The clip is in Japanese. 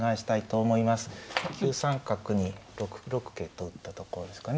９三角に６六桂と打ったところですかね。